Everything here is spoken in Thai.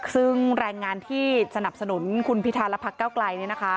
ซึ่งแรงงานที่สนับสนุนคุณพิธาและพักเก้าไกล